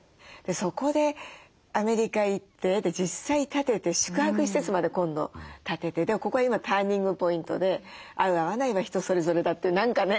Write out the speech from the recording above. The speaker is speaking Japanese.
そこでアメリカ行って実際建てて宿泊施設まで今度建ててここが今ターニングポイントで合う合わないは人それぞれだって何かね